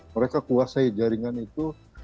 mereka kuasai jaringan itu